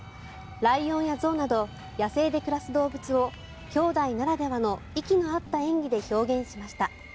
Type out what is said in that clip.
ライオンや象など野生で暮らす動物を姉弟ならではの息の合った演技で表現しました。